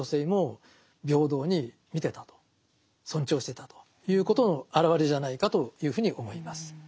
日蓮がということの表れじゃないかというふうに思います。